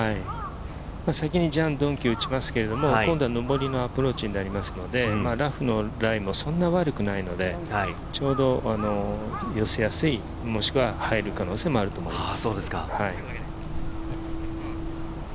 先にジャン・ドンキュが打ちますが今度は上りのアプローチになりますので、ラフのライもそんなに悪くないので、ちょうど寄せやすい、もしくは入る可能性もあると思います。